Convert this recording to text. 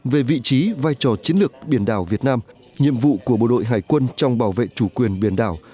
về vị trí vai trò chiến lược biển đảo việt nam nhiệm vụ của bộ đội hải quân trong bảo vệ chủ quyền biển đảo